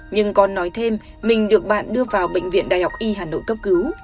nhưng con nói thêm mình được bạn đưa vào bệnh viện đại học y hà nội cấp cứu